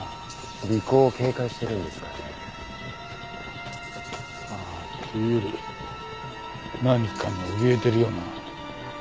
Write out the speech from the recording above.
尾行を警戒してるんですかね？というより何かにおびえてるような。